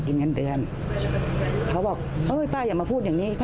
เงินเดือนเขาบอกเฮ้ยป้าอย่ามาพูดอย่างนี้